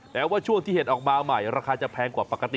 แต่ว่าช่วงที่เห็ดออกมาใหม่ราคาจะแพงกว่าปกติ